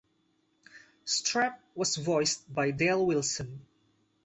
Strap was voiced by Dale Wilson.